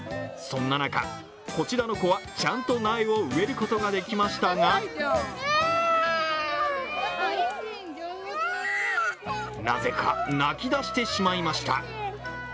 そんな中、こちらの子はちゃんと苗を植えることができましたがなぜか泣きだしてしまいました。